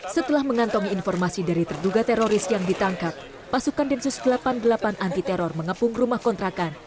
setelah mengantongi informasi dari terduga teroris yang ditangkap pasukan densus delapan puluh delapan anti teror mengepung rumah kontrakan